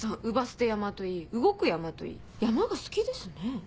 姥捨山といい動く山といい山が好きですね。